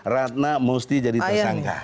ratna mesti jadi tersangka